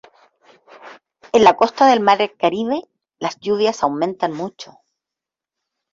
En la costa del mar Caribe, las lluvias aumentan mucho.